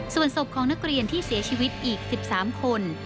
ส่วนศพของนักเรียนที่เสียชีวิตอีก๑๓คน